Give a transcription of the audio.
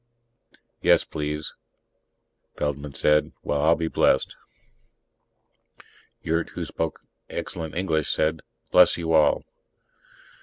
"Yes, please." Feldman said, "Well, I'll be blessed." Yurt, who spoke excellent English, said, "Bless you all."